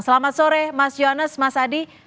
selamat sore mas yones mas adi